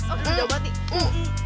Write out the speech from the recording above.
oke udah berarti